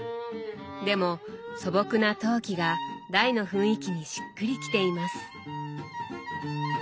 でも素朴な陶器が台の雰囲気にしっくりきています。